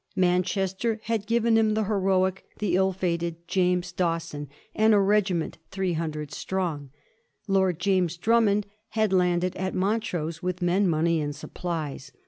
Man chester had given him the heroic, the ill fated James Dawson, and a regiment three hundred strong. Lord James Drummond had landed at Montrose with men, money, and supplies.